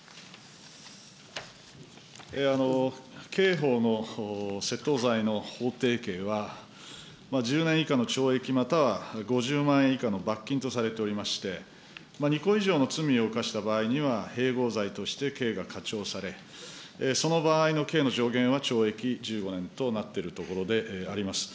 刑法の窃盗罪の法定刑は１０年以下の懲役または５０万円以下の罰金とされておりまして、２個以上の罪を犯した場合には、併合罪として刑がかちょうされ、その場合の刑の上限は懲役１５年となっているところであります。